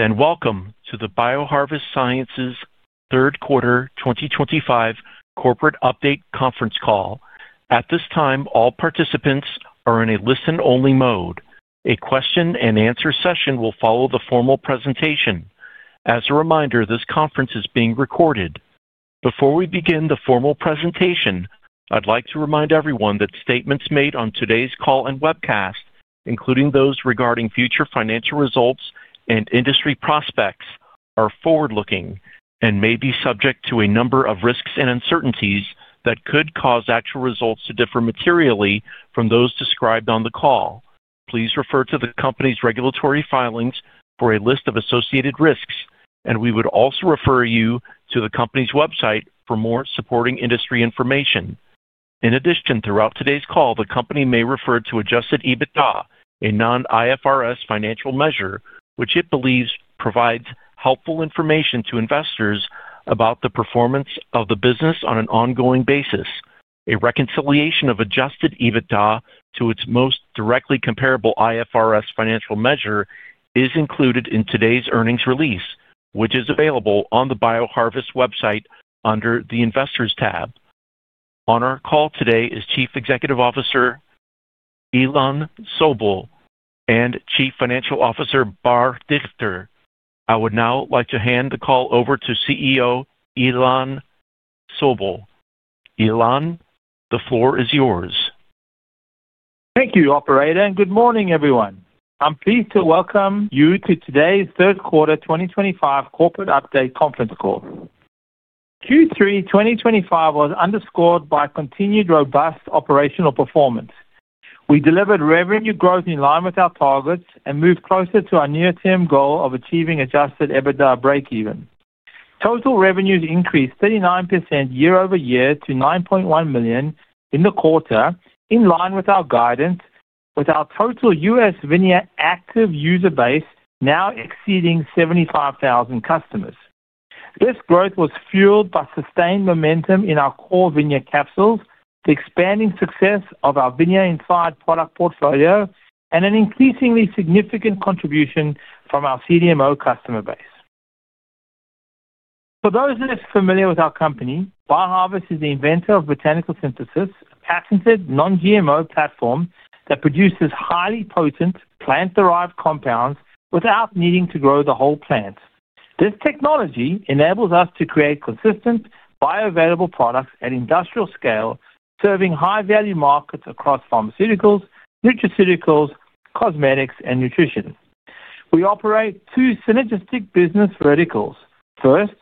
Welcome to the BioHarvest Sciences third quarter 2025 corporate update conference call. At this time, all participants are in a listen-only mode. A question-and-answer session will follow the formal presentation. As a reminder, this conference is being recorded. Before we begin the formal presentation, I'd like to remind everyone that statements made on today's call and webcast, including those regarding future financial results and industry prospects, are forward-looking and may be subject to a number of risks and uncertainties that could cause actual results to differ materially from those described on the call. Please refer to the company's regulatory filings for a list of associated risks, and we would also refer you to the company's website for more supporting industry information.In addition, throughout today's call, the company may refer to Adjusted EBITDA, a non-IFRS financial measure, which it believes provides helpful information to investors about the performance of the business on an ongoing basis. A reconciliation of Adjusted EBITDA to its most directly comparable IFRS financial measure is included in today's earnings release, which is available on the BioHarvest website under the Investors tab. On our call today is Chief Executive Officer Ilan Sobel and Chief Financial Officer Bar Dichter. I would now like to hand the call over to CEO Ilan Sobel. Ilan, the floor is yours. Thank you, Operator, and good morning, everyone. I'm pleased to welcome you to today's third quarter 2025 corporate update conference call. Q3 2025 was underscored by continued robust operational performance. We delivered revenue growth in line with our targets and moved closer to our near-term goal of achieving Adjusted EBITDA break-even. Total revenues increased 39% year-over-year to $9.1 million in the quarter, in line with our guidance, with our total U.S. VINIA active user base now exceeding 75,000 customers. This growth was fueled by sustained momentum in our core VINIA capsules, the expanding success of our VINIA-inspired product portfolio, and an increasingly significant contribution from our CDMO customer base. For those less familiar with our company, BioHarvest is the inventor of Botanical Synthesis, a patented non-GMO platform that produces highly potent plant-derived compounds without needing to grow the whole plant. This technology enables us to create consistent bioavailable products at industrial scale, serving high-value markets across pharmaceuticals, nutraceuticals, cosmetics, and nutrition. We operate two synergistic business verticals. First,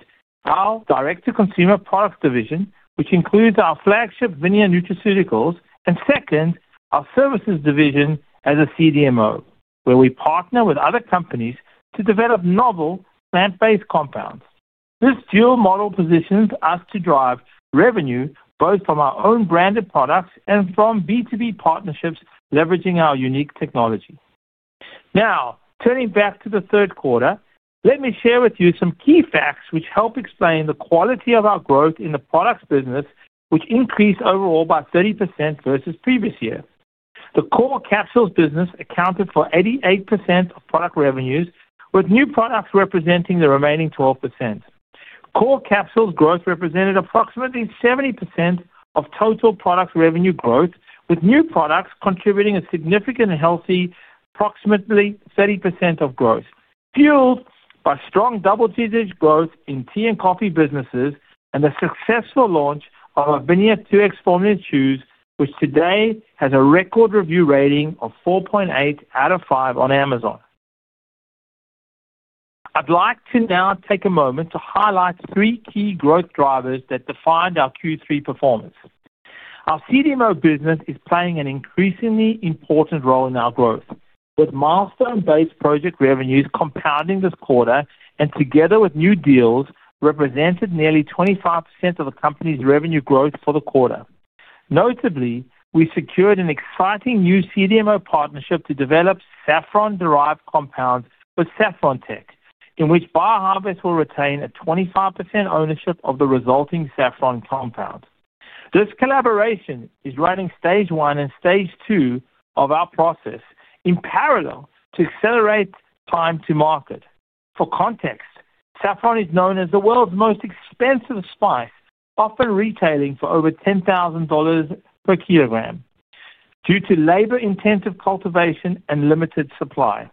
our direct-to-consumer product division, which includes our flagship VINIA nutraceuticals, and second, our services division as a CDMO, where we partner with other companies to develop novel plant-based compounds. This dual model positions us to drive revenue both from our own branded products and from B2B partnerships leveraging our unique technology. Now, turning back to the third quarter, let me share with you some key facts which help explain the quality of our growth in the products business, which increased overall by 30% versus previous year. The core capsules business accounted for 88% of product revenues, with new products representing the remaining 12%. Core capsules growth represented approximately 70% of total product revenue growth, with new products contributing a significant and healthy approximately 30% of growth, fueled by strong double-digit growth in tea and coffee businesses and the successful launch of our VINIA 2X Formula Chews, which today has a record review rating of 4.8 out of 5 on Amazon. I'd like to now take a moment to highlight three key growth drivers that defined our Q3 performance. Our CDMO business is playing an increasingly important role in our growth, with milestone-based project revenues compounding this quarter and, together with new deals, represented nearly 25% of the company's revenue growth for the quarter. Notably, we secured an exciting new CDMO partnership to develop saffron-derived compounds with SaffronTech, in which BioHarvest will retain a 25% ownership of the resulting saffron compound. This collaboration is running stage one and stage two of our process in parallel to accelerate time to market. For context, saffron is known as the world's most expensive spice, often retailing for over $10,000 per kilogram due to labor-intensive cultivation and limited supply.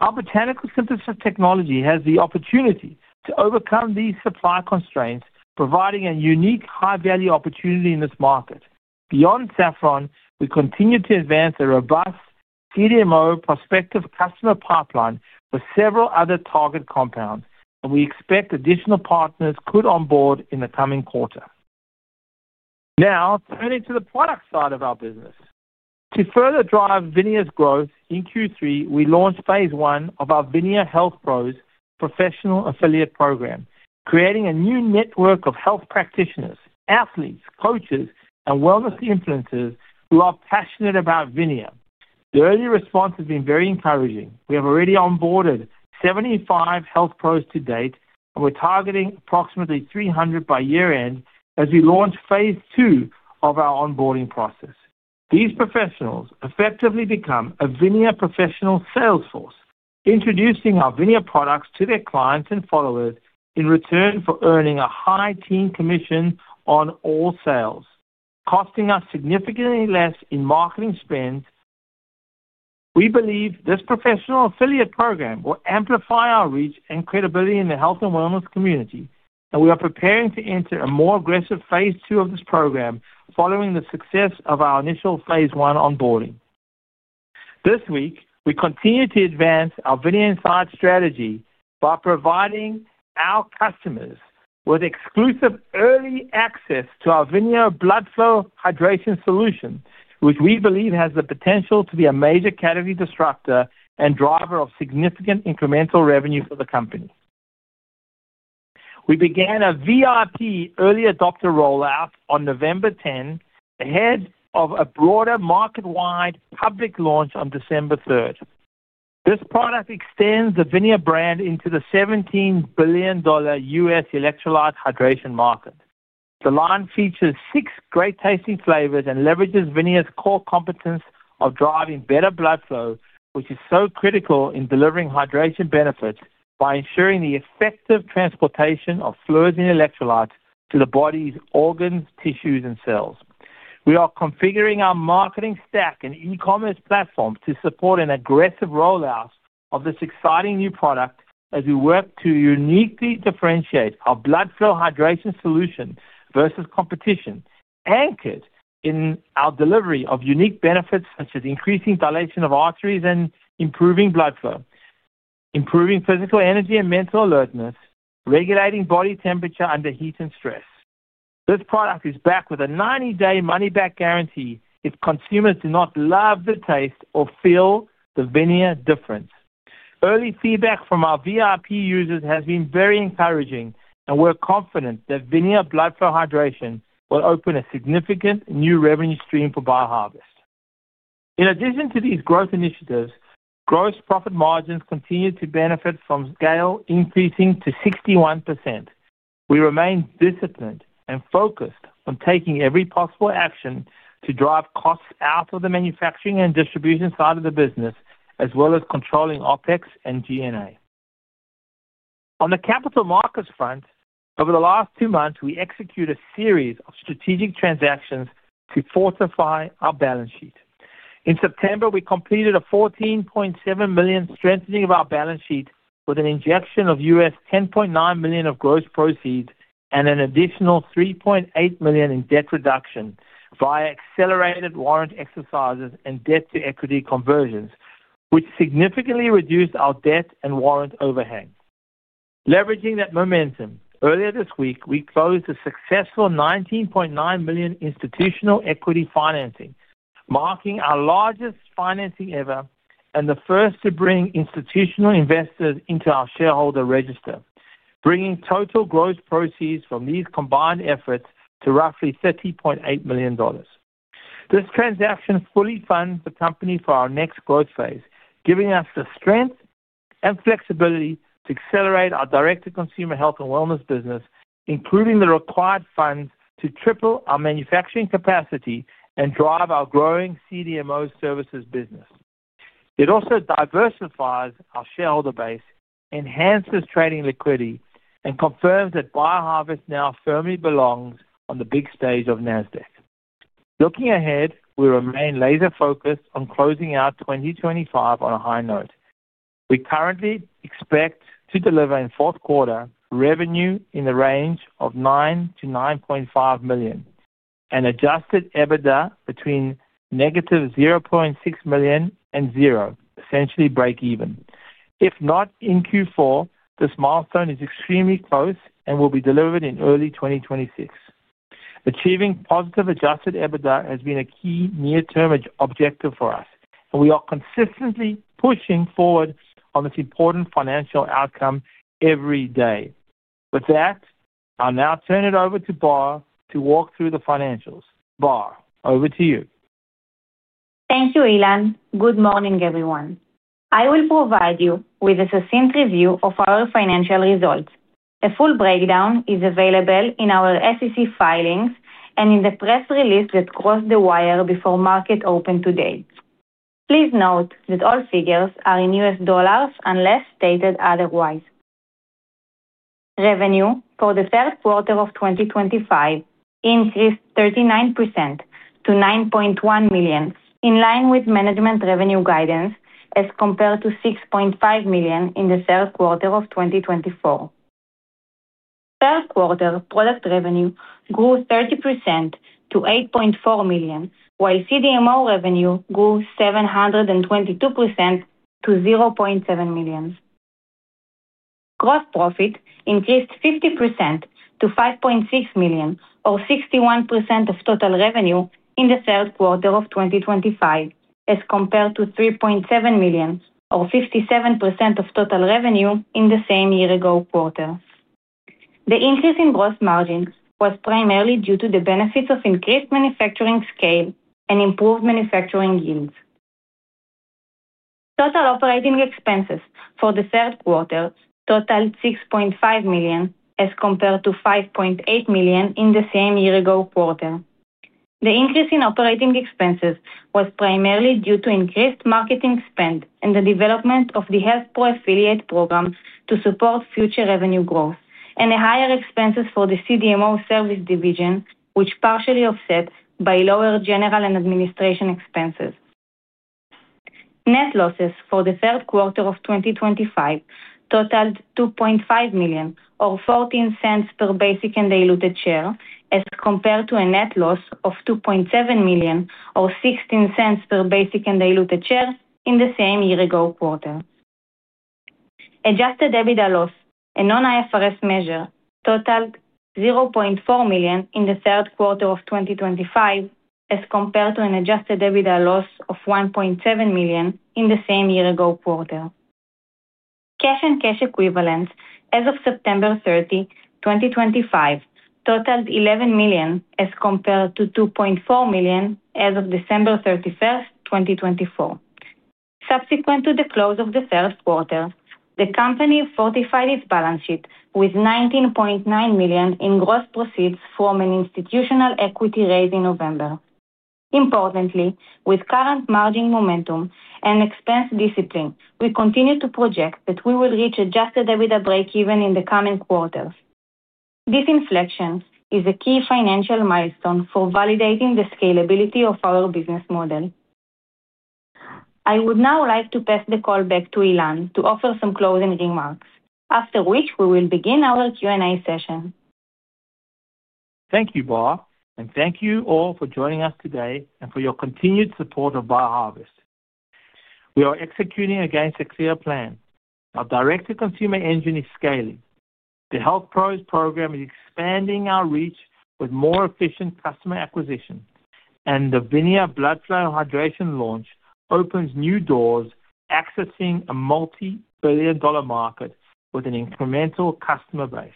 Our Botanical Synthesis technology has the opportunity to overcome these supply constraints, providing a unique high-value opportunity in this market. Beyond saffron, we continue to advance a robust CDMO prospective customer pipeline with several other target compounds, and we expect additional partners could onboard in the coming quarter. Now, turning to the product side of our business. To further drive VINIA growth in Q3, we launched phase I of our VINIA Health Pros Professional Affiliate Program, creating a new network of health practitioners, athletes, coaches, and wellness influencers who are passionate about VINIA. The early response has been very encouraging. We have already onboarded 75 health pros to date, and we're targeting approximately 300 by year-end as we launch phase II of our onboarding process. These professionals effectively become a VINIA professional salesforce, introducing our VINIA products to their clients and followers in return for earning a high team commission on all sales, costing us significantly less in marketing spend. We believe this professional affiliate program will amplify our reach and credibility in the health and wellness community, and we are preparing to enter a more aggressive phase II of this program following the success of our initial phase I onboarding. This week, we continue to advance our VINIA Inside strategy by providing our customers with exclusive early access to our VINIA BloodFlow Hydration Solution, which we believe has the potential to be a major category disruptor and driver of significant incremental revenue for the company. We began a VRP early adopter rollout on November 10th, ahead of a broader market-wide public launch on December 3rd. This product extends the VINIA brand into the $17 billion U.S. electrolyte hydration market. The line features six great-tasting flavors and leverages VINIA's core competence of driving better blood flow, which is so critical in delivering hydration benefits by ensuring the effective transportation of fluids and electrolytes to the body's organs, tissues, and cells. We are configuring our marketing stack and e-commerce platform to support an aggressive rollout of this exciting new product as we work to uniquely differentiate our blood flow hydration solution versus competition, anchored in our delivery of unique benefits such as increasing dilation of arteries and improving blood flow, improving physical energy and mental alertness, regulating body temperature under heat and stress. This product is back with a 90-day money-back guarantee if consumers do not love the taste or feel the VINIA difference. Early feedback from our VRP users has been very encouraging, and we're confident that VINIA Blood Flow Hydration will open a significant new revenue stream for BioHarvest. In addition to these growth initiatives, gross profit margins continue to benefit from scale increasing to 61%. We remain disciplined and focused on taking every possible action to drive costs out of the manufacturing and distribution side of the business, as well as controlling OpEx and G&A. On the capital markets front, over the last two months, we executed a series of strategic transactions to fortify our balance sheet. In September, we completed a $14.7 million strengthening of our balance sheet with an injection of U.S. $10.9 million of gross proceeds and an additional $3.8 million in debt reduction via accelerated warrant exercises and debt-to-equity conversions, which significantly reduced our debt and warrant overhang. Leveraging that momentum, earlier this week, we closed a successful $19.9 million institutional equity financing, marking our largest financing ever and the first to bring institutional investors into our shareholder register, bringing total gross proceeds from these combined efforts to roughly $30.8 million. This transaction fully funds the company for our next growth phase, giving us the strength and flexibility to accelerate our direct-to-consumer health and wellness business, including the required funds to triple our manufacturing capacity and drive our growing CDMO services business. It also diversifies our shareholder base, enhances trading liquidity, and confirms that BioHarvest now firmly belongs on the big stage of NASDAQ. Looking ahead, we remain laser-focused on closing out 2025 on a high note. We currently expect to deliver in fourth quarter revenue in the range of $9 million-$9.5 million and Adjusted EBITDA between -$0.6 million and zero, essentially break-even. If not in Q4, this milestone is extremely close and will be delivered in early 2026. Achieving positive Adjusted EBITDA has been a key near-term objective for us, and we are consistently pushing forward on this important financial outcome every day. With that, I'll now turn it over to Bar to walk through the financials. Bar, over to you. Thank you, Ilan. Good morning, everyone. I will provide you with a succinct review of our financial results. A full breakdown is available in our SEC filings and in the press release that crossed the wire before market open today. Please note that all figures are in U.S. dollars unless stated otherwise. Revenue for the third quarter of 2025 increased 39% to $9.1 million, in line with management revenue guidance, as compared to $6.5 million in the third quarter of 2024. Third quarter product revenue grew 30% to $8.4 million, while CDMO revenue grew 722% to $0.7 million. Gross profit increased 50% to $5.6 million, or 61% of total revenue in the third quarter of 2025, as compared to $3.7 million, or 57% of total revenue in the same year-ago quarter. The increase in gross margin was primarily due to the benefits of increased manufacturing scale and improved manufacturing yields. Total operating expenses for the third quarter totaled $6.5 million, as compared to $5.8 million in the same year-ago quarter. The increase in operating expenses was primarily due to increased marketing spend and the development of the Health Pro Affiliate Program to support future revenue growth, and the higher expenses for the CDMO service division, which was partially offset by lower general and administration expenses. Net losses for the third quarter of 2025 totaled $2.5 million, or $0.14 per basic and diluted share, as compared to a net loss of $2.7 million, or $0.16 per basic and diluted share in the same year-ago quarter. Adjusted EBITDA loss, a non-IFRS measure, totaled $0.4 million in the third quarter of 2025, as compared to an Adjusted EBITDA loss of $1.7 million in the same year-ago quarter. Cash and cash equivalents as of September 30th, 2025, totaled $11 million, as compared to $2.4 million as of December 31st, 2024. Subsequent to the close of the third quarter, the company fortified its balance sheet with $19.9 million in gross proceeds from an institutional equity raise in November. Importantly, with current margin momentum and expense discipline, we continue to project that we will reach Adjusted EBITDA break-even in the coming quarters. This inflection is a key financial milestone for validating the scalability of our business model. I would now like to pass the call back to Ilan to offer some closing remarks, after which we will begin our Q&A session. Thank you, Bar, and thank you all for joining us today and for your continued support of BioHarvest. We are executing against a clear plan. Our direct-to-consumer engine is scaling. The Health Pros program is expanding our reach with more efficient customer acquisition, and the Vineyard Blood Flow Hydration launch opens new doors accessing a multi-billion dollar market with an incremental customer base.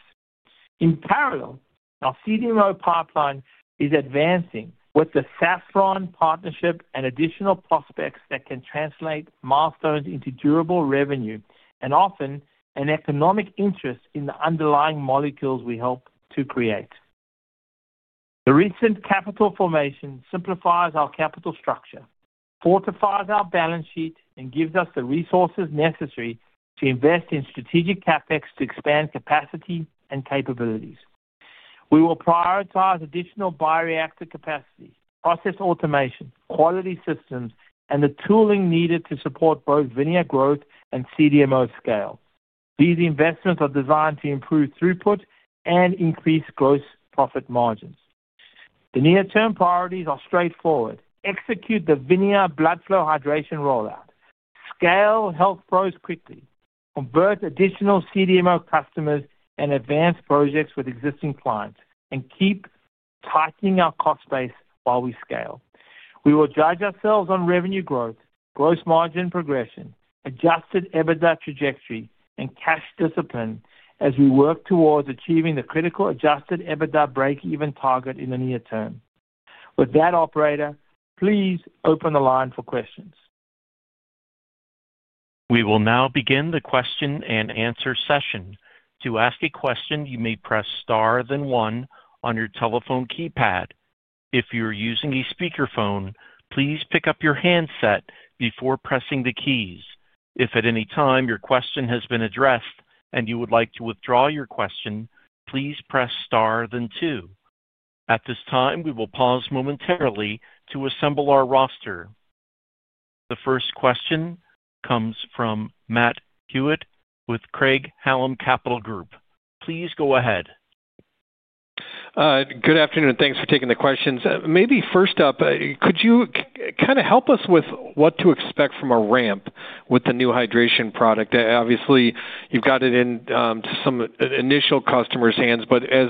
In parallel, our CDMO pipeline is advancing with the saffron partnership and additional prospects that can translate milestones into durable revenue and often an economic interest in the underlying molecules we hope to create. The recent capital formation simplifies our capital structure, fortifies our balance sheet, and gives us the resources necessary to invest in strategic CapEx to expand capacity and capabilities. We will prioritize additional bioreactor capacity, process automation, quality systems, and the tooling needed to support both VINIA growth and CDMO scale. These investments are designed to improve throughput and increase gross profit margins. The near-term priorities are straightforward: execute the Vineyard Blood Flow Hydration rollout, scale Health Pros quickly, convert additional CDMO customers and advance projects with existing clients, and keep tightening our cost base while we scale. We will judge ourselves on revenue growth, gross margin progression, Adjusted EBITDA trajectory, and cash discipline as we work towards achieving the critical Adjusted EBITDA break-even target in the near term. With that, operator, please open the line for questions. We will now begin the question-and-answer session. To ask a question, you may press star then one on your telephone keypad. If you are using a speakerphone, please pick up your handset before pressing the keys. If at any time your question has been addressed and you would like to withdraw your question, please press star then two. At this time, we will pause momentarily to assemble our roster. The first question comes from Matt Hewitt with Craig-Hallum Capital Group. Please go ahead. Good afternoon, and thanks for taking the questions. Maybe first up, could you kind of help us with what to expect from a ramp with the new hydration product? Obviously, you've got it into some initial customers' hands, but as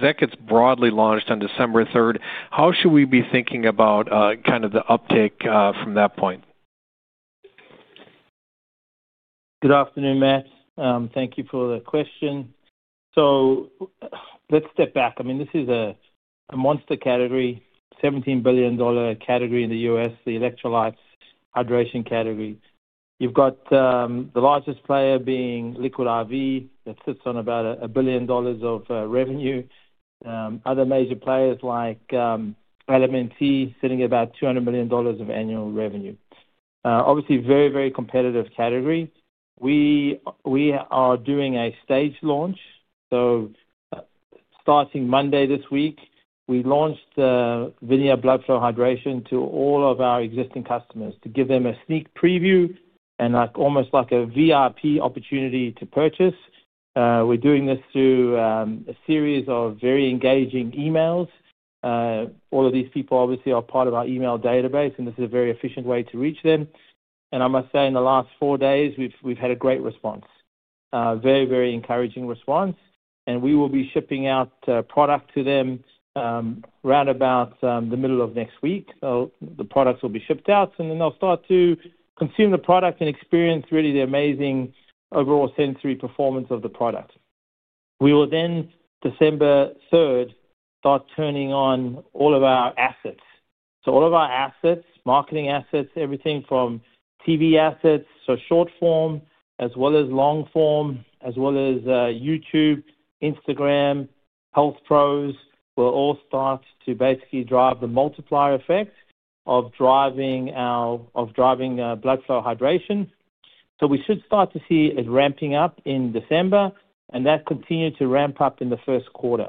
that gets broadly launched on December 3rd, how should we be thinking about kind of the uptake from that point? Good afternoon, Matt. Thank you for the question. Let's step back. I mean, this is a monster category, $17 billion category in the U.S., the electrolyte hydration category. You've got the largest player being Liquid I.V. that sits on about $1 billion of revenue. Other major players like LMNT sitting at about $200 million of annual revenue. Obviously, very, very competitive category. We are doing a stage launch. Starting Monday this week, we launched VINIA BloodFlow Hydration to all of our existing customers to give them a sneak preview and almost like a VRP opportunity to purchase. We're doing this through a series of very engaging emails. All of these people, obviously, are part of our email database, and this is a very efficient way to reach them. I must say, in the last four days, we've had a great response, a very, very encouraging response. We will be shipping out product to them round about the middle of next week. The products will be shipped out, and then they'll start to consume the product and experience really the amazing overall sensory performance of the product. We will then, December 3rd, start turning on all of our assets. All of our assets, marketing assets, everything from TV assets, short form as well as long form, as well as YouTube, Instagram, Health Pros, will all start to basically drive the multiplier effect of driving our blood flow hydration. We should start to see it ramping up in December, and that continued to ramp up in the first quarter.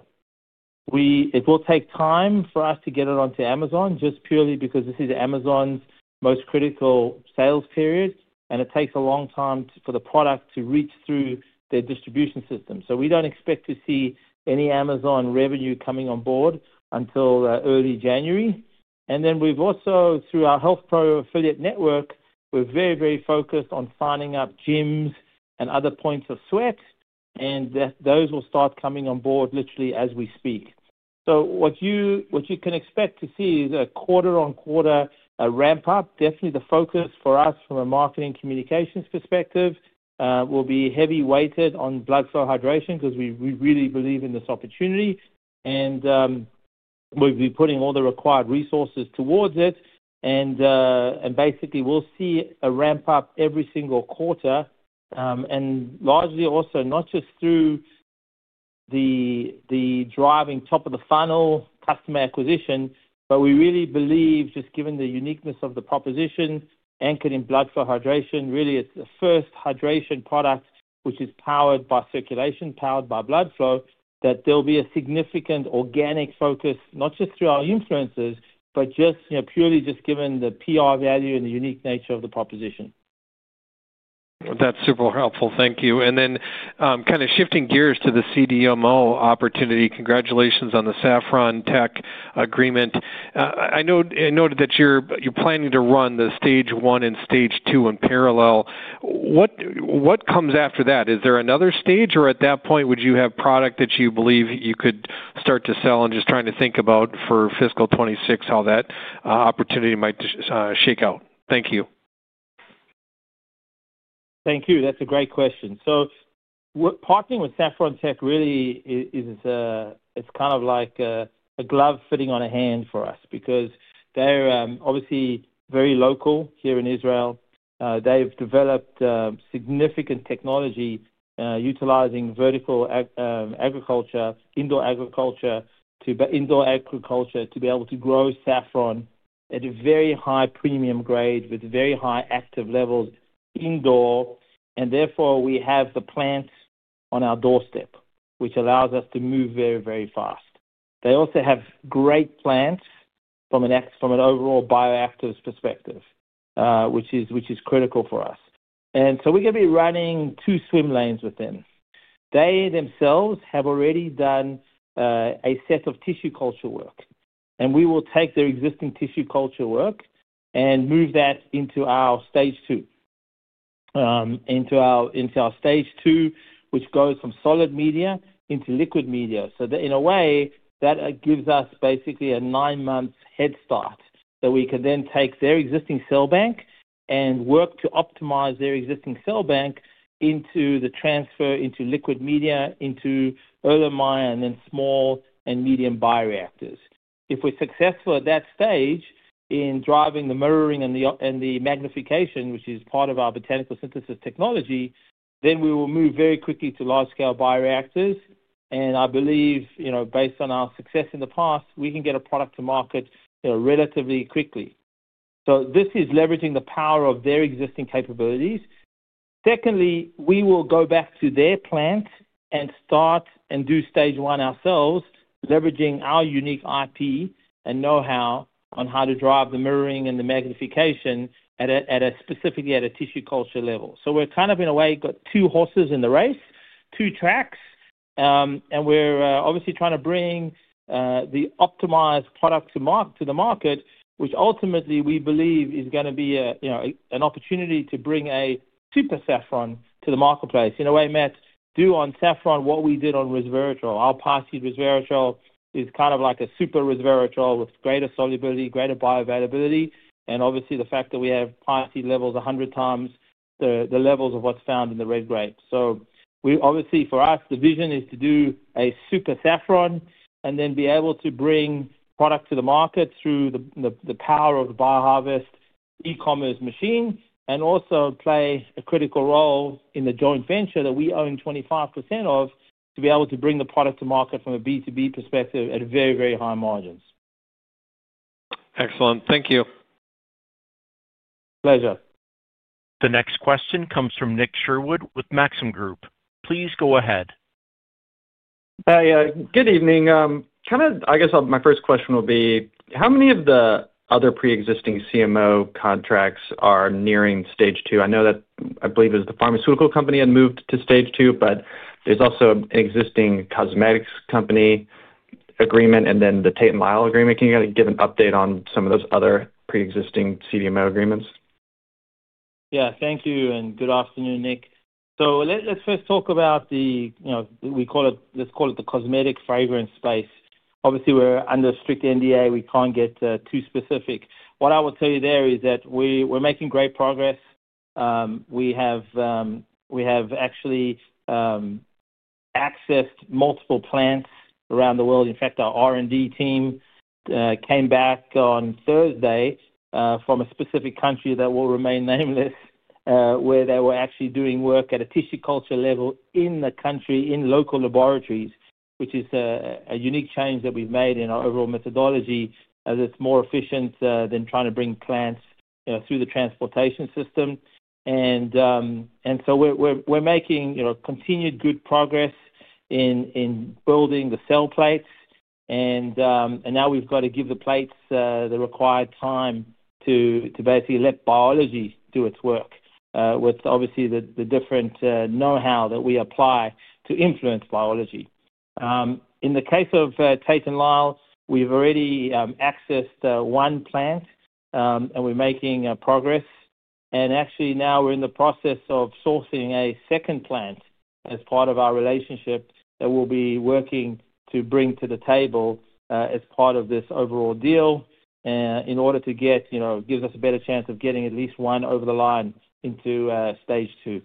It will take time for us to get it onto Amazon just purely because this is Amazon's most critical sales period, and it takes a long time for the product to reach through their distribution system. We do not expect to see any Amazon revenue coming on board until early January. We have also, through our Health Pro Affiliate Network, been very, very focused on signing up gyms and other points of sweat, and those will start coming on board literally as we speak. What you can expect to see is a quarter-on-quarter ramp-up. Definitely, the focus for us from a marketing communications perspective will be heavy weighted on blood flow hydration because we really believe in this opportunity, and we will be putting all the required resources towards it. Basically, we'll see a ramp-up every single quarter, and largely also not just through the driving top of the funnel customer acquisition, but we really believe, just given the uniqueness of the proposition anchored in blood flow hydration, really it's the first hydration product which is powered by circulation, powered by blood flow, that there'll be a significant organic focus, not just through our influencers, but purely just given the PR value and the unique nature of the proposition. That's super helpful. Thank you. Then kind of shifting gears to the CDMO opportunity, congratulations on the SaffronTech agreement. I noted that you're planning to run the stage one and stage two in parallel. What comes after that? Is there another stage, or at that point, would you have product that you believe you could start to sell? I'm just trying to think about for fiscal 2026 how that opportunity might shake out. Thank you. Thank you. That's a great question. Partnering with SaffronTech really is kind of like a glove fitting on a hand for us because they're obviously very local here in Israel. They've developed significant technology utilizing vertical agriculture, indoor agriculture, to be able to grow saffron at a very high premium grade with very high active levels indoor, and therefore we have the plants on our doorstep, which allows us to move very, very fast. They also have great plants from an overall bioactive perspective, which is critical for us. We're going to be running two swim lanes with them. They themselves have already done a set of tissue culture work, and we will take their existing tissue culture work and move that into our stage two, which goes from solid media into liquid media. In a way, that gives us basically a nine-month head start that we can then take their existing cell bank and work to optimize their existing cell bank into the transfer into liquid media, into Erlenmeyer and then small and medium bioreactors. If we're successful at that stage in driving the mirroring and the magnification, which is part of our Botanical Synthesis technology, then we will move very quickly to large-scale bioreactors. I believe, based on our success in the past, we can get a product to market relatively quickly. This is leveraging the power of their existing capabilities. Secondly, we will go back to their plants and start and do stage one ourselves, leveraging our unique IP and know-how on how to drive the mirroring and the magnification, specifically at a tissue culture level. We're kind of, in a way, got two horses in the race, two tracks, and we're obviously trying to bring the optimized product to the market, which ultimately we believe is going to be an opportunity to bring a super saffron to the marketplace. In a way, Matt, do on saffron what we did on Resveratrol. Our VINIA Resveratrol is kind of like a super Resveratrol with greater solubility, greater bioavailability, and obviously the fact that we have Resveratrol levels 100 times the levels of what's found in the red grape. Obviously, for us, the vision is to do a super saffron and then be able to bring product to the market through the power of BioHarvest e-commerce machine and also play a critical role in the joint venture that we own 25% of to be able to bring the product to market from a B2B perspective at very, very high margins. Excellent. Thank you. Pleasure. The next question comes from Nick Sherwood with Maxim Group. Please go ahead. Hi. Good evening. Kind of, I guess my first question will be, how many of the other pre-existing CDMO contracts are nearing stage two? I believe it was the pharmaceutical company that moved to stage two, but there's also an existing cosmetics company agreement and then the Tate & Lyle agreement. Can you kind of give an update on some of those other pre-existing CDMO agreements? Yeah. Thank you. Good afternoon, Nick. Let's first talk about the, we call it, let's call it the cosmetic fragrance space. Obviously, we're under strict NDA. We can't get too specific. What I will tell you there is that we're making great progress. We have actually accessed multiple plants around the world. In fact, our R&D team came back on Thursday from a specific country that will remain nameless, where they were actually doing work at a tissue culture level in the country in local laboratories, which is a unique change that we've made in our overall methodology as it's more efficient than trying to bring plants through the transportation system. We're making continued good progress in building the cell plates, and now we've got to give the plates the required time to basically let biology do its work with, obviously, the different know-how that we apply to influence biology. In the case of Tate & Lyle, we've already accessed one plant, and we're making progress. Actually, now we're in the process of sourcing a second plant as part of our relationship that we'll be working to bring to the table as part of this overall deal in order to give us a better chance of getting at least one over the line into stage two.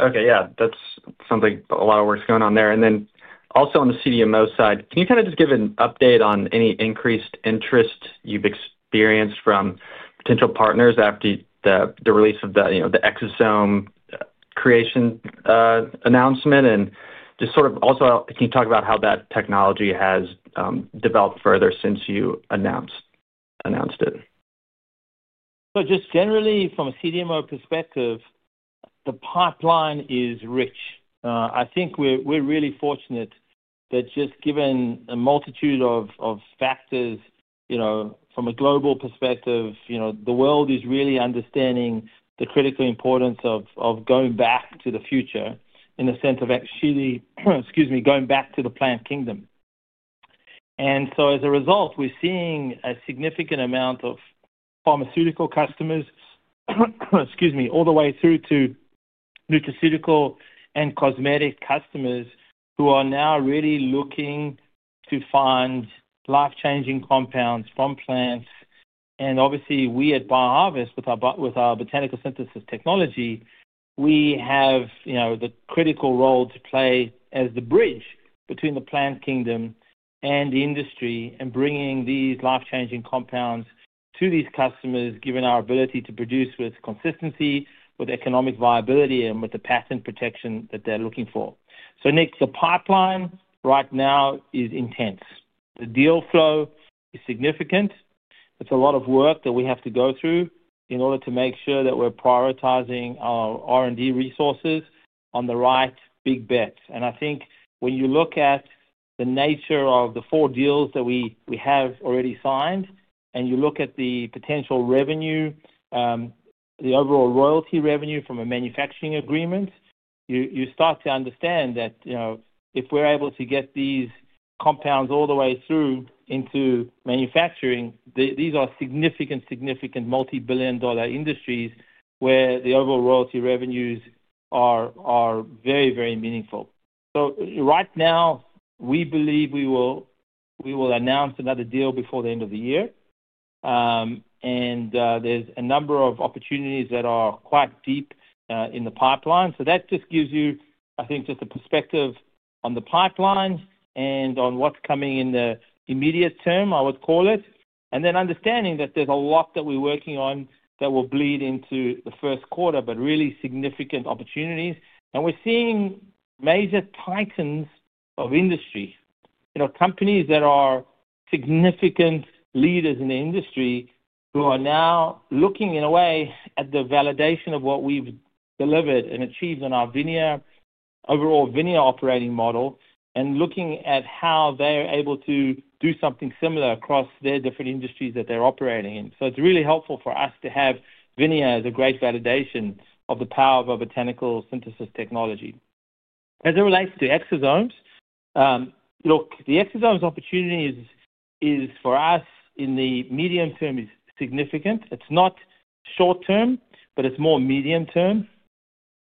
Okay. Yeah. That's something, a lot of work's going on there. Also on the CDMO side, can you kind of just give an update on any increased interest you've experienced from potential partners after the release of the Exosome Creation announcement? Just sort of also, can you talk about how that technology has developed further since you announced it? Just generally, from a CDMO perspective, the pipeline is rich. I think we're really fortunate that, just given a multitude of factors from a global perspective, the world is really understanding the critical importance of going back to the future in the sense of actually, excuse me, going back to the plant kingdom. As a result, we're seeing a significant amount of pharmaceutical customers, excuse me, all the way through to nutraceutical and cosmetic customers who are now really looking to find life-changing compounds from plants. Obviously, we at BioHarvest, with our Botanical Synthesis technology, have the critical role to play as the bridge between the plant kingdom and the industry and bringing these life-changing compounds to these customers, given our ability to produce with consistency, with economic viability, and with the patent protection that they're looking for. Nick, the pipeline right now is intense. The deal flow is significant. It's a lot of work that we have to go through in order to make sure that we're prioritizing our R&D resources on the right big bets. I think when you look at the nature of the four deals that we have already signed and you look at the potential revenue, the overall royalty revenue from a manufacturing agreement, you start to understand that if we're able to get these compounds all the way through into manufacturing, these are significant, significant multi-billion dollar industries where the overall royalty revenues are very, very meaningful. Right now, we believe we will announce another deal before the end of the year. There's a number of opportunities that are quite deep in the pipeline. That just gives you, I think, just a perspective on the pipeline and on what's coming in the immediate term, I would call it, and then understanding that there's a lot that we're working on that will bleed into the first quarter, but really significant opportunities. We're seeing major titans of industry, companies that are significant leaders in the industry who are now looking, in a way, at the validation of what we've delivered and achieved on our overall VINIA operating model and looking at how they're able to do something similar across their different industries that they're operating in. It's really helpful for us to have VINIA as a great validation of the power of our Botanical Synthesis technology. As it relates to Exosomes, look, the Exosomes opportunity is, for us, in the medium term, is significant. It's not short term, but it's more medium term.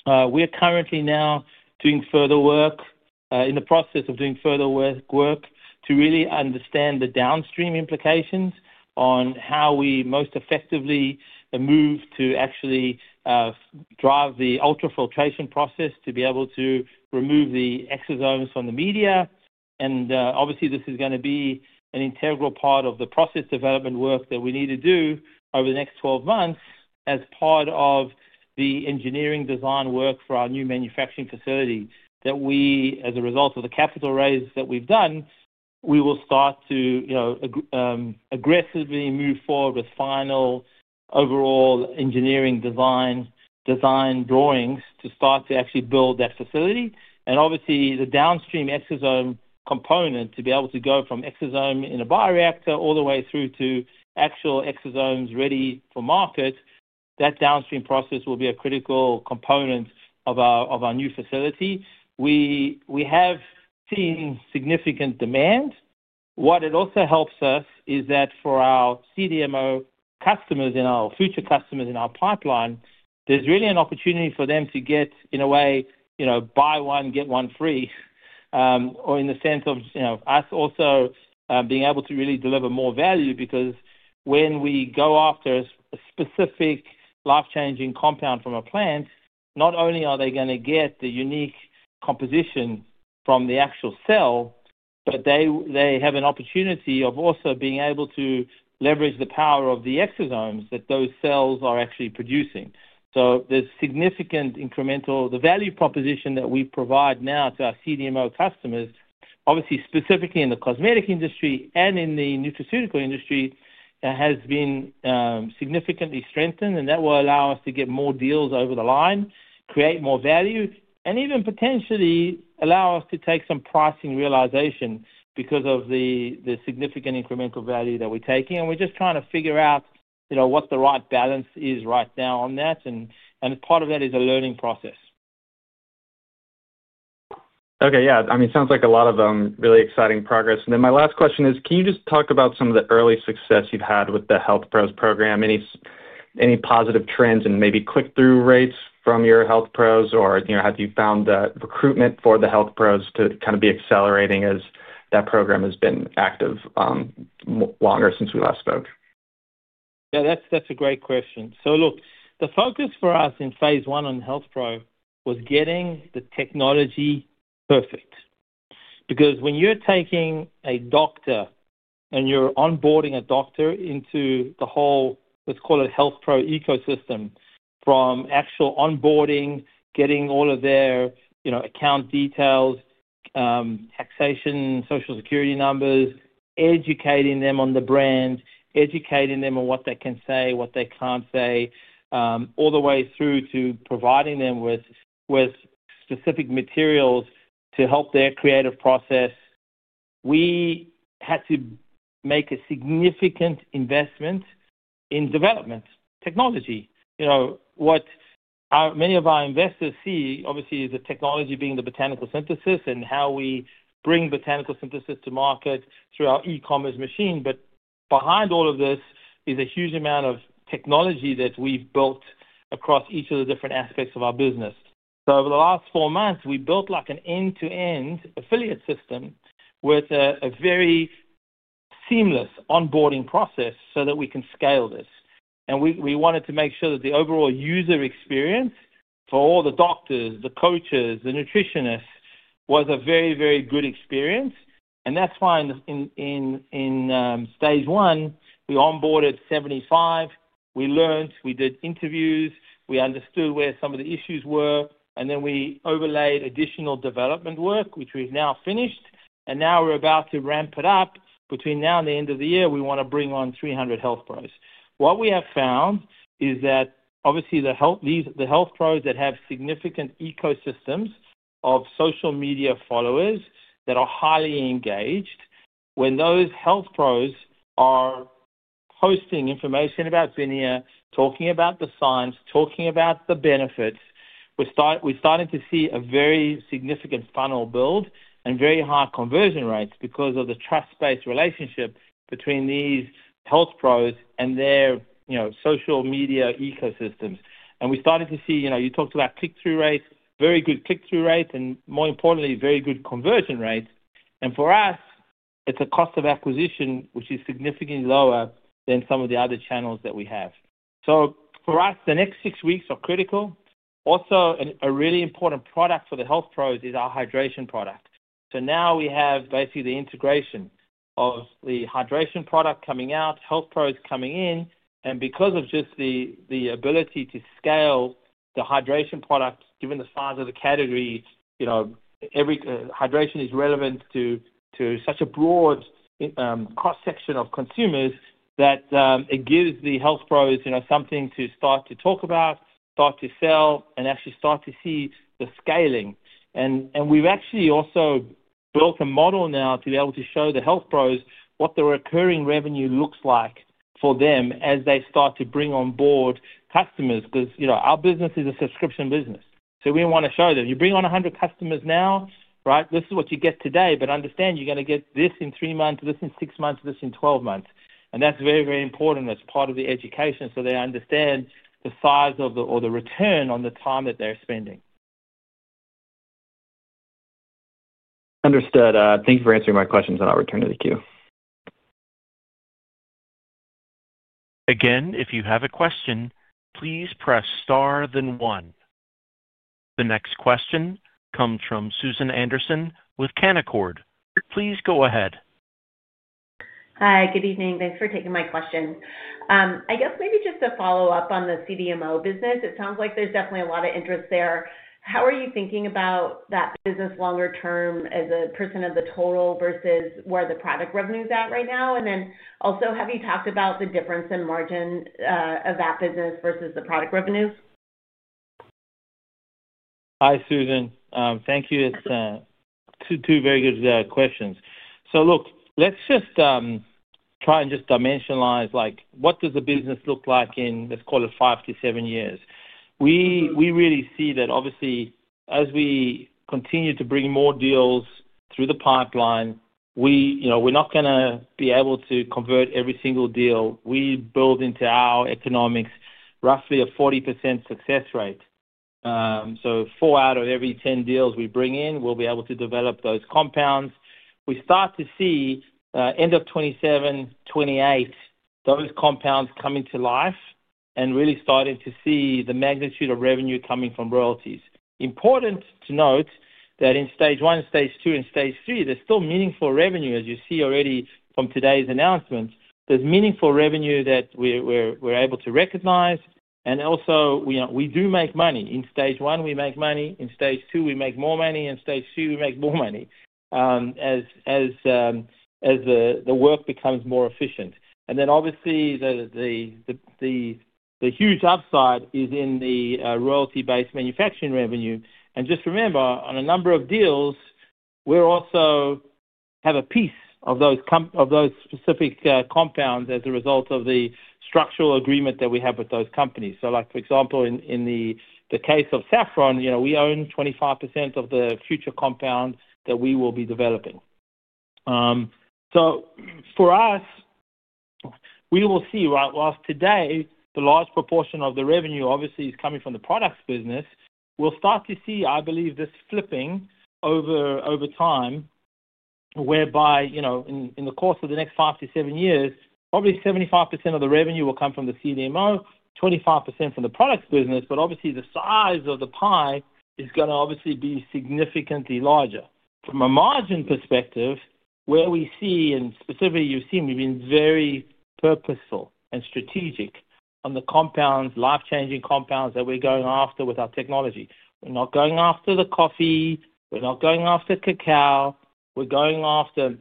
We're currently now doing further work, in the process of doing further work, to really understand the downstream implications on how we most effectively move to actually drive the ultrafiltration process to be able to remove the Exosomes from the media. Obviously, this is going to be an integral part of the process development work that we need to do over the next 12 months as part of the engineering design work for our new manufacturing facility that we, as a result of the capital raise that we've done, we will start to aggressively move forward with final overall engineering design drawings to start to actually build that facility. Obviously, the downstream exosome component to be able to go from exosome in a bioreactor all the way through to actual Exosomes ready for market, that downstream process will be a critical component of our new facility. We have seen significant demand. What it also helps us is that for our CDMO customers and our future customers in our pipeline, there's really an opportunity for them to get, in a way, buy one, get one free, or in the sense of us also being able to really deliver more value because when we go after a specific life-changing compound from a plant, not only are they going to get the unique composition from the actual cell, but they have an opportunity of also being able to leverage the power of the Exosomes that those cells are actually producing. There is significant incremental value proposition that we provide now to our CDMO customers, obviously, specifically in the cosmetic industry and in the nutraceutical industry, has been significantly strengthened, and that will allow us to get more deals over the line, create more value, and even potentially allow us to take some pricing realization because of the significant incremental value that we are taking. We are just trying to figure out what the right balance is right now on that, and part of that is a learning process. Okay. Yeah. I mean, it sounds like a lot of really exciting progress. My last question is, can you just talk about some of the early success you've had with the Health Pros program, any positive trends and maybe click-through rates from your Health Pros, or have you found that recruitment for the Health Pros to kind of be accelerating as that program has been active longer since we last spoke? Yeah. That's a great question. Look, the focus for us in phase I on HealthPro was getting the technology perfect because when you're taking a doctor and you're onboarding a doctor into the whole, let's call it, HealthPro ecosystem from actual onboarding, getting all of their account details, taxation, social security numbers, educating them on the brand, educating them on what they can say, what they can't say, all the way through to providing them with specific materials to help their creative process, we had to make a significant investment in development technology. What many of our investors see, obviously, is the technology being the Botanical Synthesis and how we bring Botanical Synthesis to market through our e-commerce machine. Behind all of this is a huge amount of technology that we've built across each of the different aspects of our business. Over the last four months, we built an end-to-end affiliate system with a very seamless onboarding process so that we can scale this. We wanted to make sure that the overall user experience for all the doctors, the coaches, the nutritionists was a very, very good experience. That is why in stage one, we onboarded 75. We learned, we did interviews, we understood where some of the issues were, and then we overlaid additional development work, which we have now finished. Now we are about to ramp it up. Between now and the end of the year, we want to bring on 300 Health Pros. What we have found is that, obviously, the Health Pros that have significant ecosystems of social media followers that are highly engaged, when those Health Pros are posting information about VINIA, talking about the science, talking about the benefits, we're starting to see a very significant funnel build and very high conversion rates because of the trust-based relationship between these Health Pros and their social media ecosystems. We started to see you talked about click-through rates, very good click-through rates, and more importantly, very good conversion rates. For us, it's a cost of acquisition, which is significantly lower than some of the other channels that we have. For us, the next six weeks are critical. Also, a really important product for the Health Pros is our hydration product. Now we have basically the integration of the hydration product coming out, Health Pros coming in, because of just the ability to scale the hydration product, given the size of the category, hydration is relevant to such a broad cross-section of consumers that it gives the Health Pros something to start to talk about, start to sell, and actually start to see the scaling. We have actually also built a model now to be able to show the Health Pros what the recurring revenue looks like for them as they start to bring on board customers because our business is a subscription business. We want to show them, "You bring on 100 customers now, right? This is what you get today, but understand you are going to get this in three months, this in six months, this in 12 months." That is very, very important. That is part of the education so they understand the size of the or the return on the time that they are spending. Understood. Thank you for answering my questions, and I'll return to the queue. Again, if you have a question, please press star, then one. The next question comes from Susan Anderson with Canaccord. Please go ahead. Hi. Good evening. Thanks for taking my question. I guess maybe just to follow up on the CDMO business, it sounds like there's definitely a lot of interest there. How are you thinking about that business longer term as a percent of the total versus where the product revenue's at right now? Also, have you talked about the difference in margin of that business versus the product revenues? Hi, Susan. Thank you. It's two very good questions. Look, let's just try and just dimensionalize what does the business look like in, let's call it, five to seven years. We really see that, obviously, as we continue to bring more deals through the pipeline, we're not going to be able to convert every single deal. We build into our economics roughly a 40% success rate. Four out of every 10 deals we bring in, we'll be able to develop those compounds. We start to see, end of 2027, 2028, those compounds coming to life and really starting to see the magnitude of revenue coming from royalties. Important to note that in stage one, stage two, and stage three, there's still meaningful revenue, as you see already from today's announcements. There's meaningful revenue that we're able to recognize. Also, we do make money. In stage one, we make money. In stage two, we make more money. In stage three, we make more money as the work becomes more efficient. Obviously, the huge upside is in the royalty-based manufacturing revenue. Just remember, on a number of deals, we also have a piece of those specific compounds as a result of the structural agreement that we have with those companies. For example, in the case of SaffronTech, we own 25% of the future compound that we will be developing. For us, we will see, whilst today the large proportion of the revenue, obviously, is coming from the products business, we'll start to see, I believe, this flipping over time whereby, in the course of the next five to seven years, probably 75% of the revenue will come from the CDMO, 25% from the products business. Obviously, the size of the pie is going to obviously be significantly larger. From a margin perspective, where we see, and specifically, you've seen we've been very purposeful and strategic on the compounds, life-changing compounds that we're going after with our technology. We're not going after the coffee. We're not going after cacao. We're going after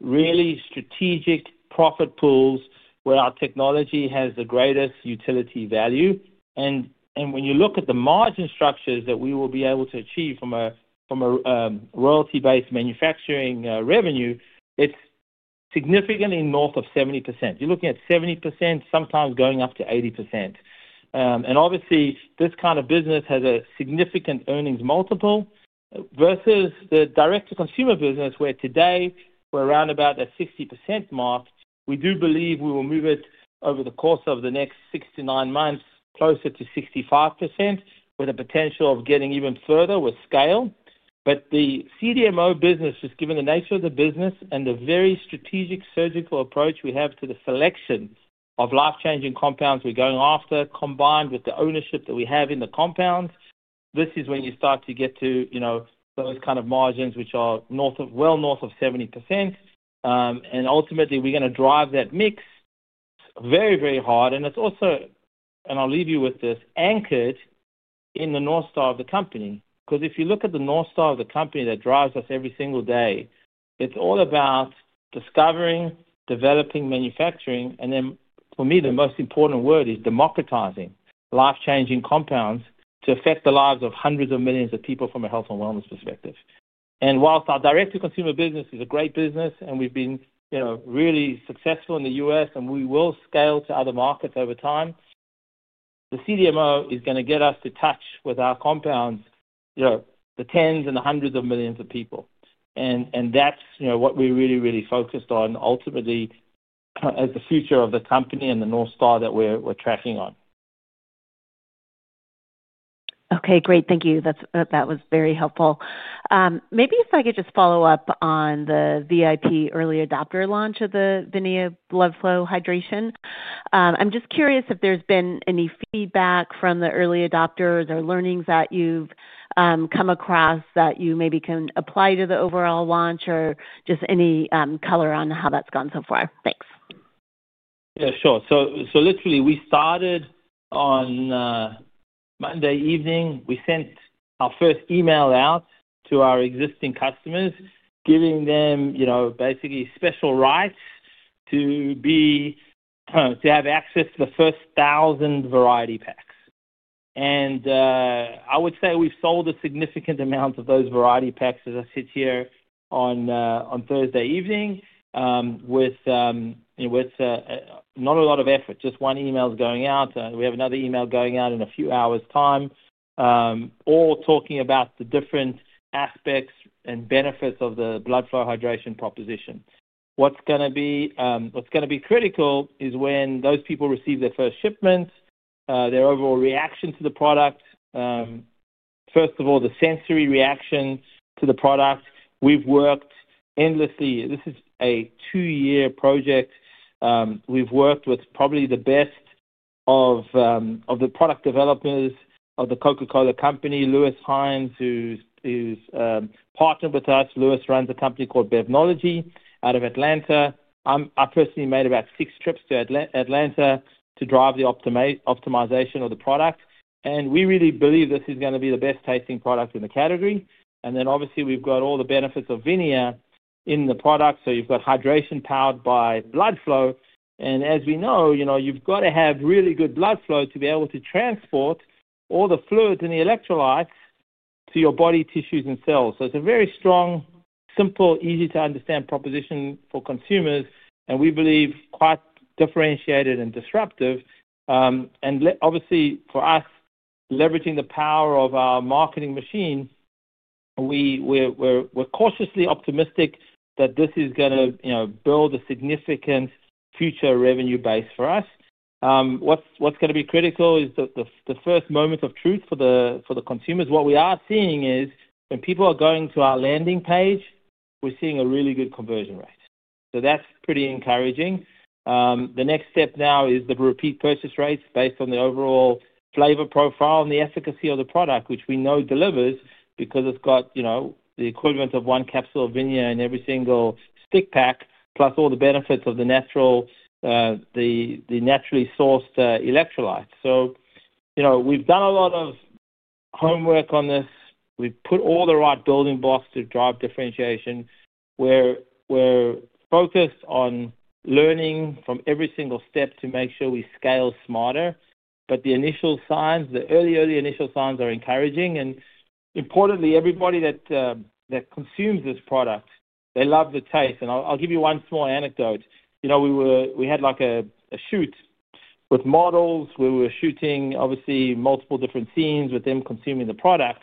really strategic profit pools where our technology has the greatest utility value. When you look at the margin structures that we will be able to achieve from a royalty-based manufacturing revenue, it's significantly north of 70%. You're looking at 70%, sometimes going up to 80%. Obviously, this kind of business has a significant earnings multiple versus the direct-to-consumer business, where today we're around about a 60% mark. We do believe we will move it over the course of the next six to nine months closer to 65% with a potential of getting even further with scale. The CDMO business, just given the nature of the business and the very strategic surgical approach we have to the selection of life-changing compounds we're going after, combined with the ownership that we have in the compounds, this is when you start to get to those kind of margins which are well north of 70%. Ultimately, we're going to drive that mix. It's very, very hard. It's also, and I'll leave you with this, anchored in the North Star of the company because if you look at the North Star of the company that drives us every single day, it's all about discovering, developing, manufacturing. For me, the most important word is democratizing life-changing compounds to affect the lives of hundreds of millions of people from a health and wellness perspective. Whilst our direct-to-consumer business is a great business and we've been really successful in the US and we will scale to other markets over time, the CDMO is going to get us to touch with our compounds the tens and the hundreds of millions of people. That is what we're really, really focused on ultimately as the future of the company and the North Star that we're tracking on. Okay. Great. Thank you. That was very helpful. Maybe if I could just follow up on the VIP early adopter launch of the VINIA BloodFlow Hydration. I'm just curious if there's been any feedback from the early adopters or learnings that you've come across that you maybe can apply to the overall launch or just any color on how that's gone so far. Thanks. Yeah. Sure. So literally, we started on Monday evening. We sent our first email out to our existing customers, giving them basically special rights to have access to the first 1,000 variety packs. I would say we've sold a significant amount of those variety packs as I sit here on Thursday evening with not a lot of effort. Just one email's going out. We have another email going out in a few hours' time, all talking about the different aspects and benefits of the Blood Flow Hydration proposition. What's going to be critical is when those people receive their first shipment, their overall reaction to the product, first of all, the sensory reaction to the product. We've worked endlessly. This is a two-year project. We've worked with probably the best of the product developers of the Coca-Cola Company, Louis Hines, who's partnered with us. Louis runs a company called BevNology out of Atlanta. I personally made about six trips to Atlanta to drive the optimization of the product. We really believe this is going to be the best-tasting product in the category. Obviously, we've got all the benefits of VINIA in the product. You have hydration powered by blood flow. As we know, you have to have really good blood flow to be able to transport all the fluids and the electrolytes to your body tissues and cells. It is a very strong, simple, easy-to-understand proposition for consumers, and we believe quite differentiated and disruptive. For us, leveraging the power of our marketing machine, we're cautiously optimistic that this is going to build a significant future revenue base for us. What is going to be critical is the first moment of truth for the consumers. What we are seeing is when people are going to our landing page, we're seeing a really good conversion rate. That is pretty encouraging. The next step now is the repeat purchase rates based on the overall flavor profile and the efficacy of the product, which we know delivers because it's got the equivalent of one capsule of VINIA in every single stick pack, plus all the benefits of the naturally sourced electrolytes. We have done a lot of homework on this. We have put all the right building blocks to drive differentiation. We are focused on learning from every single step to make sure we scale smarter. The initial signs, the early, early initial signs are encouraging. Importantly, everybody that consumes this product, they love the taste. I will give you one small anecdote. We had a shoot with models we were shooting, obviously, multiple different scenes with them consuming the product.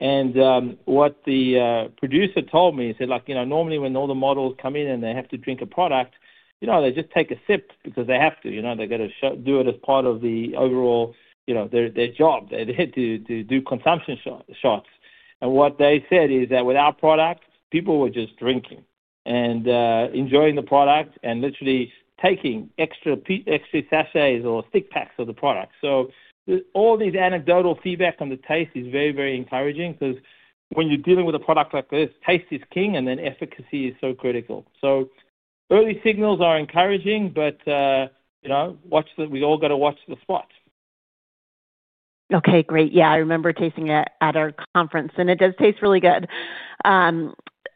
What the producer told me, he said, "Normally, when all the models come in and they have to drink a product, they just take a sip because they have to. They've got to do it as part of the overall their job. They're there to do consumption shots." What they said is that with our product, people were just drinking and enjoying the product and literally taking extra sachets or stick packs of the product. All these anecdotal feedback on the taste is very, very encouraging because when you're dealing with a product like this, taste is king, and then efficacy is so critical. Early signals are encouraging, but we all got to watch the spot. Okay. Great. Yeah. I remember tasting it at our conference, and it does taste really good.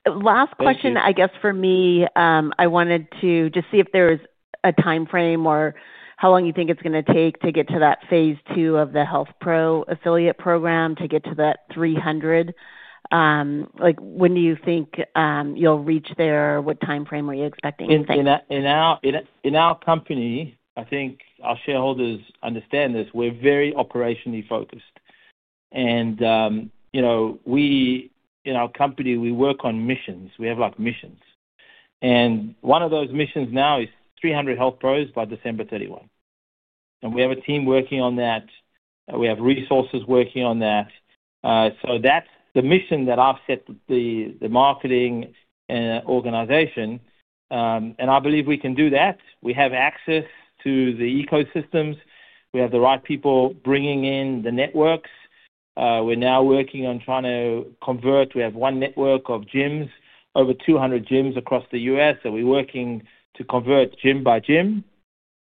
Last question, I guess, for me. I wanted to just see if there was a timeframe or how long you think it's going to take to get to that phase II of the HealthPro affiliate program to get to that 300. When do you think you'll reach there? What timeframe are you expecting? In our company, I think our shareholders understand this. We're very operationally focused. In our company, we work on missions. We have missions. One of those missions now is 300 Health Pros by December 31. We have a team working on that. We have resources working on that. That's the mission that I've set the marketing organization. I believe we can do that. We have access to the ecosystems. We have the right people bringing in the networks. We're now working on trying to convert. We have one network of gyms, over 200 gyms across the U.S. We're working to convert gym by gym.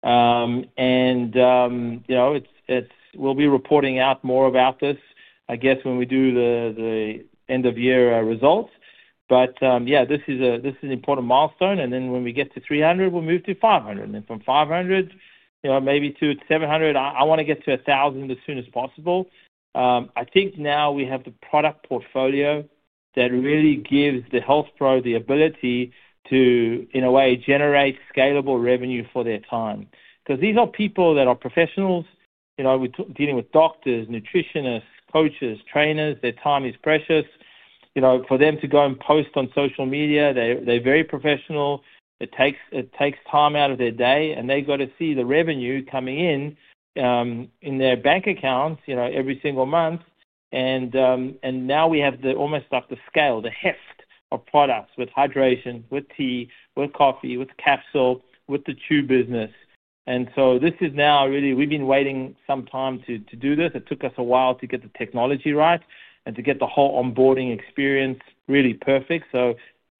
We'll be reporting out more about this, I guess, when we do the end-of-year results. Yeah, this is an important milestone. When we get to 300, we'll move to 500. From 500, maybe to 700. I want to get to 1,000 as soon as possible. I think now we have the product portfolio that really gives the HealthPro the ability to, in a way, generate scalable revenue for their time because these are people that are professionals. We're dealing with doctors, nutritionists, coaches, trainers. Their time is precious. For them to go and post on social media, they're very professional. It takes time out of their day. They have to see the revenue coming in in their bank accounts every single month. Now we have almost the scale, the heft of products with hydration, with tea, with coffee, with capsule, with the chew business. This is now really we have been waiting some time to do this. It took us a while to get the technology right and to get the whole onboarding experience really perfect.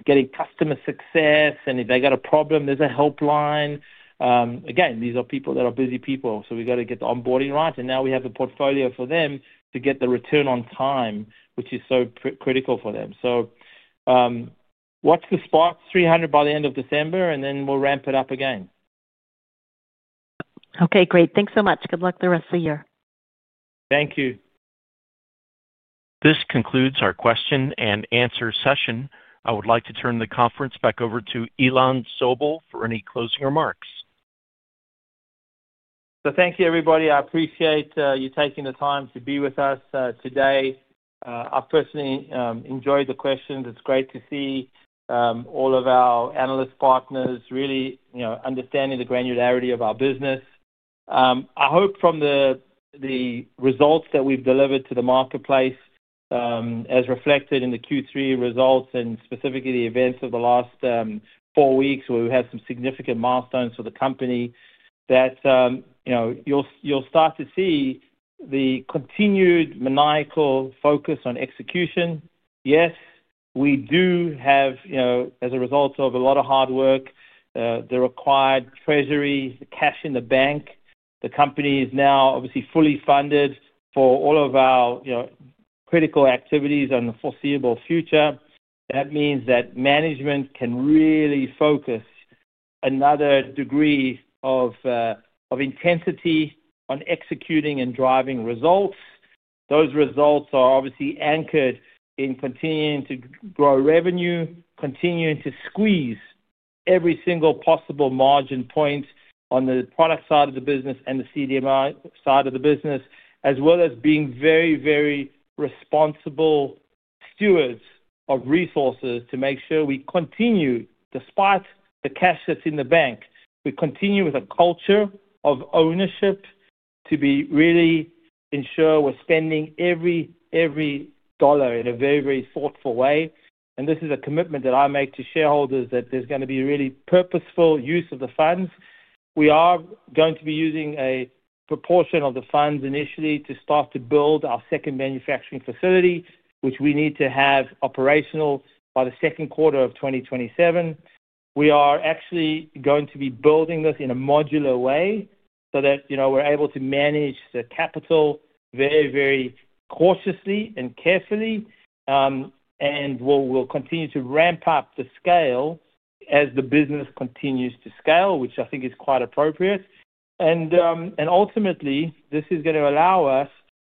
Getting customer success. If they got a problem, there's a helpline. Again, these are people that are busy people. We have to get the onboarding right. Now we have the portfolio for them to get the return on time, which is so critical for them. Watch the spots, 300 by the end of December, and then we'll ramp it up again. Okay. Great. Thanks so much. Good luck the rest of the year. Thank you. This concludes our question-and-answer session. I would like to turn the conference back over to Ilan Sobel for any closing remarks. Thank you, everybody. I appreciate you taking the time to be with us today. I've personally enjoyed the questions. It's great to see all of our analyst partners really understanding the granularity of our business. I hope from the results that we've delivered to the marketplace, as reflected in the Q3 results and specifically the events of the last four weeks, where we had some significant milestones for the company, that you'll start to see the continued maniacal focus on execution. Yes, we do have, as a result of a lot of hard work, the required treasury, the cash in the bank. The company is now obviously fully funded for all of our critical activities in the foreseeable future. That means that management can really focus another degree of intensity on executing and driving results. Those results are obviously anchored in continuing to grow revenue, continuing to squeeze every single possible margin point on the product side of the business and the CDMO side of the business, as well as being very, very responsible stewards of resources to make sure we continue, despite the cash that's in the bank, we continue with a culture of ownership to really ensure we're spending every dollar in a very, very thoughtful way. This is a commitment that I make to shareholders that there's going to be really purposeful use of the funds. We are going to be using a proportion of the funds initially to start to build our second manufacturing facility, which we need to have operational by the second quarter of 2027. We are actually going to be building this in a modular way so that we're able to manage the capital very, very cautiously and carefully. We'll continue to ramp up the scale as the business continues to scale, which I think is quite appropriate. Ultimately, this is going to allow us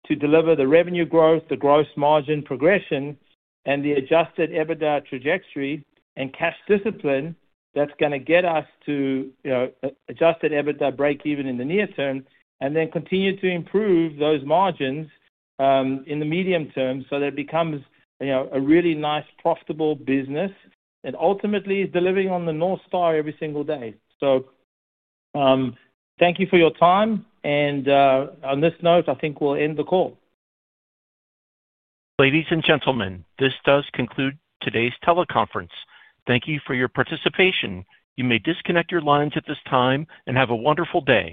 to deliver the revenue growth, the gross margin progression, and the Adjusted EBITDA trajectory and cash discipline that's going to get us to Adjusted EBITDA break-even in the near term and then continue to improve those margins in the medium term so that it becomes a really nice, profitable business and ultimately is delivering on the North Star every single day. Thank you for your time. On this note, I think we'll end the call. Ladies and gentlemen, this does conclude today's teleconference. Thank you for your participation. You may disconnect your lines at this time and have a wonderful day.